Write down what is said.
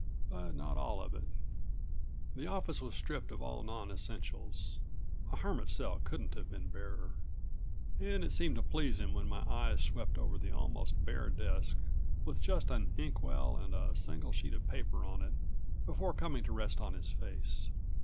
But not all of it. The office was stripped of all non essentials; a hermit's cell couldn't have been barer. And it seemed to please him when my eyes swept over the almost bare desk, with just an inkwell and a single sheet of paper on it, before coming to rest on his face.